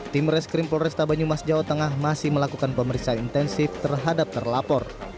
tim reskrim polresta banyumas jawa tengah masih melakukan pemeriksaan intensif terhadap terlapor